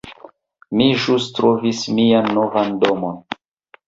Mi ĵus trovis mian novan domon